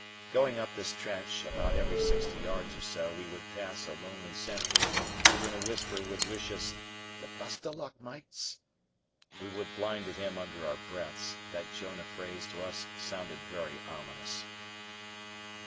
Going up this trench, about every sixty yards or so we would pass a lonely sentry, who in a whisper would wish us "the best o' luck, mates." We would blind at him under our breaths; that Jonah phrase to us sounded very ominous.